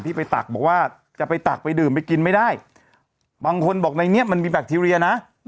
ไปตักบอกว่าจะไปตักไปดื่มไปกินไม่ได้บางคนบอกในนี้มันมีแบคทีเรียนะ